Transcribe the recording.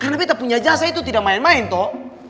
karena beto punya jasa itu tidak main main toh